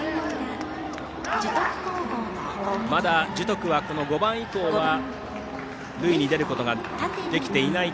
まだ樹徳は５番以降は塁に出ることができていない